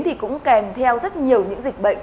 thì cũng kèm theo rất nhiều những dịch bệnh